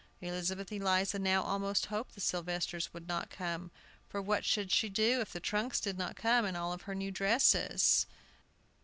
Elizabeth Eliza now almost hoped the Sylvesters would not come, for what should she do if the trunks did not come and all her new dresses?